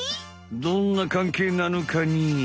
どんな関係なのかね？